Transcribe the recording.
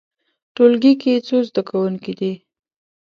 ټولګی کې څو زده کوونکي دي؟